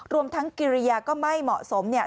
รวมทั้งกิริยาก็ไม่เหมาะสมเนี่ย